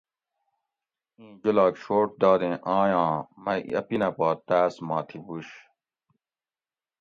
اِیں جولاگ شوٹ دادیں آیاں مئی اپینہ پا تاۤس ما تھی بُوش